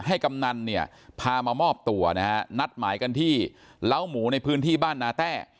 กำนันเนี่ยพามามอบตัวนะฮะนัดหมายกันที่เล้าหมูในพื้นที่บ้านนาแต้